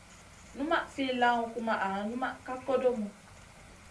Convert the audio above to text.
Numaʼ fi lawn kumaʼa numa ka kodomu.